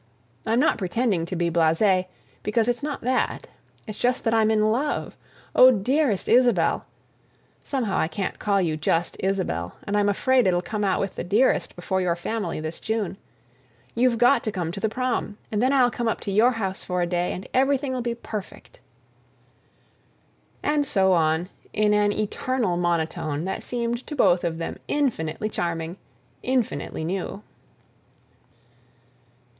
I'm not pretending to be blasé, because it's not that. It's just that I'm in love. Oh, dearest Isabelle (somehow I can't call you just Isabelle, and I'm afraid I'll come out with the "dearest" before your family this June), you've got to come to the prom, and then I'll come up to your house for a day and everything'll be perfect.... And so on in an eternal monotone that seemed to both of them infinitely charming, infinitely new.